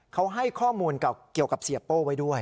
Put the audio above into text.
เขาให้ข้อมูลเกี่ยวกับเสียโป้ไว้ด้วย